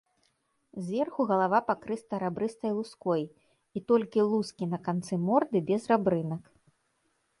Зверху галава пакрыта рабрыстай луской, і толькі лускі на канцы морды без рабрынак.